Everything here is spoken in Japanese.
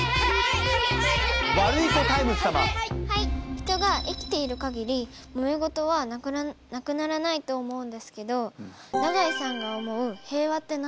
人が生きている限りもめ事はなくならないと思うんですけど永井さんが思う平和って何ですか？